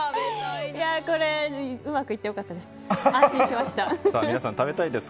うまくいってよかったです。